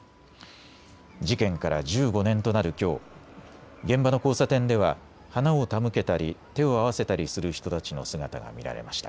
事件から１５年となるきょう、現場の交差点では花を手向けたり手を合わせたりする人たちの姿が見られました。